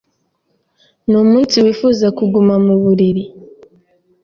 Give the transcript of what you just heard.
Numunsi wifuza kuguma mu buriri.